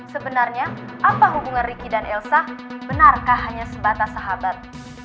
sebenarnya apa hubungan ricky dan elsa benarkah hanya sebatas sahabat